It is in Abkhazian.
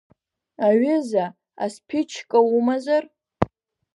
Аҩыза, асԥичка умазар?